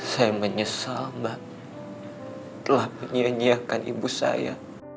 saya menyesal mbak telah menyanyiakan ibu saya